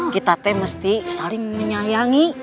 kita teh mesti saling menyayangi